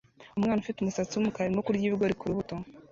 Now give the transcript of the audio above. Umwana ufite umusatsi wumukara arimo kurya ibigori kurubuto